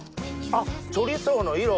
あっチョリソーの色。